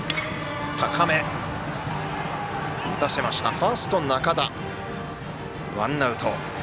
ファースト、仲田がとってワンアウト。